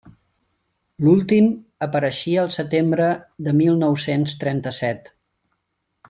L'últim apareixia el setembre de mil nou-cents trenta-set.